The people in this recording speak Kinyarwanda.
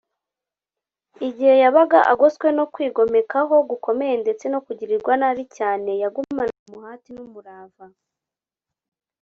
igihe yabaga agoswe no kumwigomekaho gukomeye ndetse no kugirirwa nabi cyane, yagumanaga umuhati n’umurava